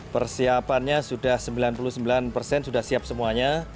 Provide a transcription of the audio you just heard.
persiapannya sudah sembilan puluh sembilan persen sudah siap semuanya